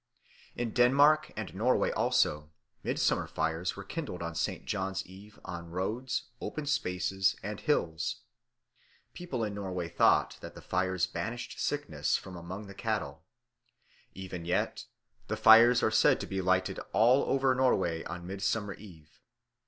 In Denmark and Norway also midsummer fires were kindled on St. John's Eve on roads, open spaces, and hills. People in Norway thought that the fires banished sickness from among the cattle. Even yet the fires are said to be lighted all over Norway on Midsummer Eve.